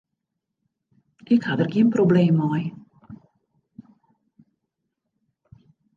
Ik ha der gjin probleem mei.